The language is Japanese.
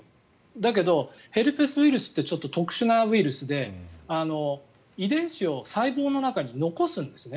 だけど、ヘルペスウイルスってちょっと特殊なウイルスで遺伝子を細胞の中に残すんですね